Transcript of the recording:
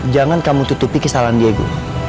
jangan kamu tutupi kesalahan diaku